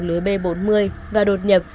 lưới b bốn mươi và đột nhập